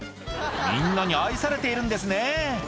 みんなに愛されているんですね